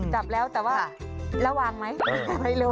จับแล้วแต่ว่าระวังไหมไปเร็ว